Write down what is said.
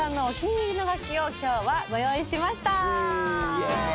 イエーイ。